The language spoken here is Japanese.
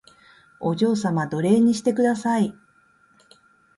お嬢様奴隷にしてください